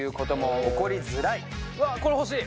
うわっこれ欲しい！